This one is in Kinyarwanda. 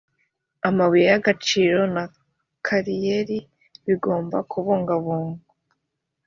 amabuye y’agaciro na kariyeri bigomba kubungabungwa